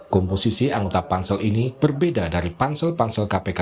komposisi anggota pansel ini berbeda dari pansel pansel kpk